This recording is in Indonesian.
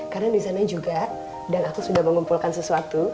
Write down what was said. karena di sana juga dan aku sudah mengumpulkan sesuatu